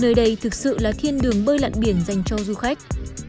nơi đây thực sự là thiên đường bơi lặn biển dành cho du khách